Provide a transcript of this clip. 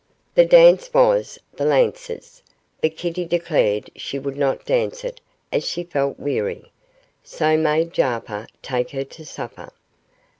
The dance was the Lancers; but Kitty declared she would not dance it as she felt weary, so made Mr Jarper take her to supper.